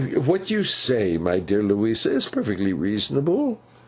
'What you say, my dear Louisa, is perfectly reasonable.